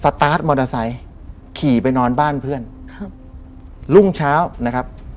ตาร์ทมอเตอร์ไซค์ขี่ไปนอนบ้านเพื่อนครับรุ่งเช้านะครับ